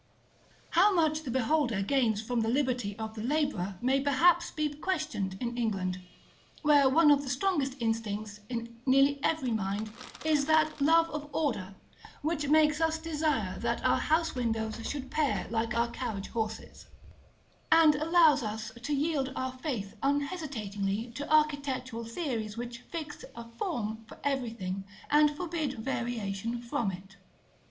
§ XXVII. How much the beholder gains from the liberty of the laborer may perhaps be questioned in England, where one of the strongest instincts in nearly every mind is that Love of Order which makes us desire that our house windows should pair like our carriage horses, and allows us to yield our faith unhesitatingly to architectural theories which fix a form for everything and forbid variation from it.